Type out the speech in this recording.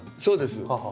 そうです。